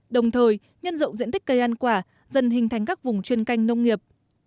đồng thời nhân rộng diện tích cây ăn quả dần hình thành các vùng chuyên canh nông nghiệp